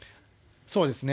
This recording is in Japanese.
そうですね。